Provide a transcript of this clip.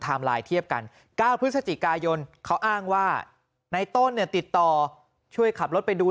ไลน์เทียบกัน๙พฤศจิกายนเขาอ้างว่าในต้นเนี่ยติดต่อช่วยขับรถไปดู